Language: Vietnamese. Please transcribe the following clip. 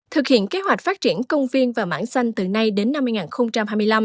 thực hiện kế hoạch phát triển công viên và mảng xanh từ nay đến năm hai nghìn hai mươi năm